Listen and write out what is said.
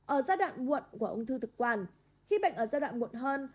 ở giai đoạn muộn của ung thư thực quản khi bệnh ở giai đoạn muộn hơn